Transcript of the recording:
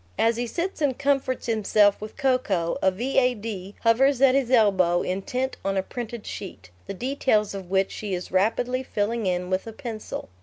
As he sits and comforts himself with cocoa, a "V.A.D." hovers at his elbow, intent on a printed sheet, the details of which she is rapidly filling in with a pencil.